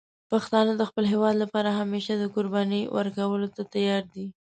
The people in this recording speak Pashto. پښتانه د خپل هېواد لپاره همیشه د قربانی ورکولو ته تیار دي.